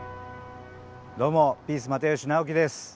どうもピース又吉直樹です。